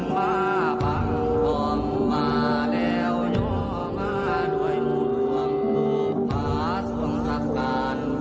ว้าวว้าวว้าว